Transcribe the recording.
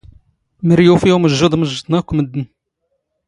ⵎⵔ ⵢⵓⴼⵉ ⵓⵎⵊⵊⵓⴹ ⵎⵊⵊⴹⵏ ⴰⴽⴽⵯ ⵎⴷⴷⵏ